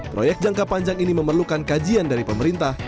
proyek jangka panjang ini memerlukan kajian dari pemerintah